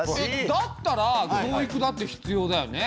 だったら教育だって必要だよね。